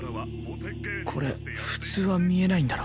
これ普通は見えないんだろ？